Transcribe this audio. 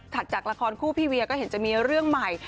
จากละครคู่พี่เวียก็เห็นจะมีเรื่องใหม่